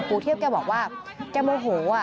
เทียบแกบอกว่าแกโมโห